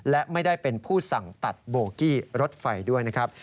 และไม่ได้เป็นผู้สั่งตัดโบกี้รถไฟด้วยนะครับ